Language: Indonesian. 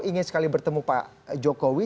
ingin sekali bertemu pak jokowi